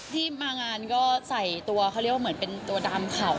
ที่มางานก็ใส่ตัวเขาเรียกว่าเหมือนเป็นตัวดำเข่า